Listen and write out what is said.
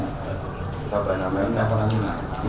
ini sudah diamankan